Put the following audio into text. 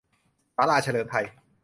ศาลาเฉลิมไทย